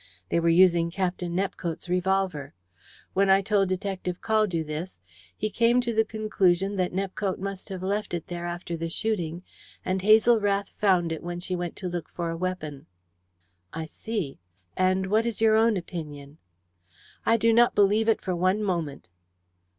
They were using Captain Nepcote's revolver. When I told Detective Caldew this, he came to the conclusion that Nepcote must have left it there after the shooting, and Hazel Rath found it when she went to look for a weapon." "I see. And what is your own opinion?" "I do not believe it for one moment."